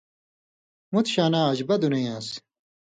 مُت شاناں عجبہ دُنئ آن٘سیۡ۔